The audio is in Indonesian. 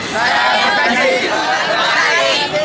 peraturan lalu lintas